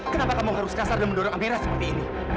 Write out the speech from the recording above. kenapa kamu harus kasar dan mendorong ampera seperti ini